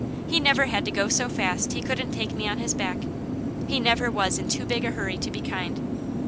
He never had to go so fast he couldn't take me on his back. He never was in too big a hurry to be kind.